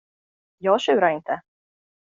Jag tjurar inte.